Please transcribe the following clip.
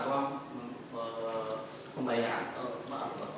pertama kali dia mendapat pembayaran